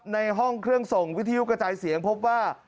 ในห้องเครื่องส่งวิทยุกระจายเสียงพบว่า